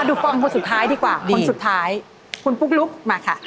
ปองคนสุดท้ายดีกว่าคนสุดท้ายคุณปุ๊กลุ๊กมาค่ะ